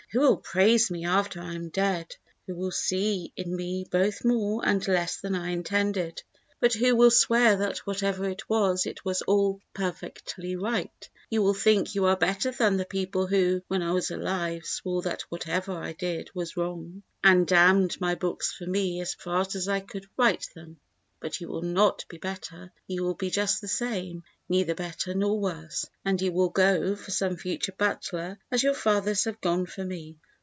Who will praise me after I am dead, Who will see in me both more and less than I intended, But who will swear that whatever it was it was all perfectly right: You will think you are better than the people who, when I was alive, swore that whatever I did was wrong And damned my books for me as fast as I could write them; But you will not be better, you will be just the same, neither better nor worse, And you will go for some future Butler as your fathers have gone for me.